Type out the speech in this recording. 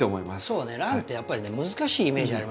そうねランってやっぱりね難しいイメージありますよ。